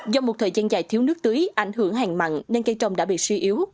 do một thời gian dài thiếu nước tưới ảnh hưởng hàng mặn nên cây trồng đã bị suy yếu